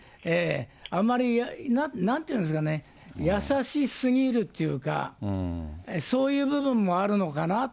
あまり、なんていうんですかね、優しすぎるっていうか、そういう部分もあるのかな。